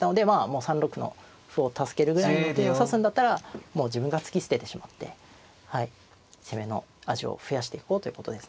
もう３六歩の歩を助けるぐらいの手を指すんだったらもう自分が突き捨ててしまって攻めの味を増やしていこうということですね。